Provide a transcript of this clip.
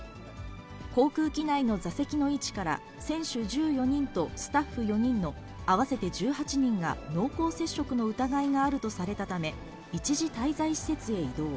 航空機内の座席の位置から、選手１４人とスタッフ４人の合わせて１８人が濃厚接触の疑いがあるとされたため、一時滞在施設へ移動。